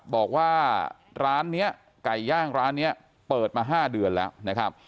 บอกว่าร้านนี้ไก่ย่างร้านนี้เปิดมา๕เดือนแล้วนะครับ